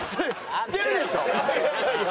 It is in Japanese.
知ってるでしょ？